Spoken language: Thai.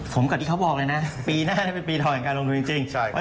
ผมกับที่บอกปีหน้าเป็นปีทองส์ห่างการลงทุนแล้ว